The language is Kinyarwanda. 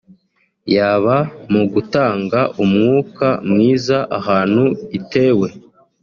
yaba mu gutanga umwuka mwiza ahantu itewe